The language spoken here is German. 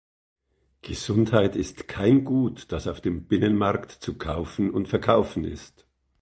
Gesundheit ist kein Gut, das auf dem Binnenmarkt zu kaufen und verkaufen ist.